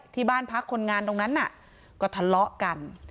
ที่บ้านพักคนงานตรงนั้นน่ะก็ทะเลาะกัน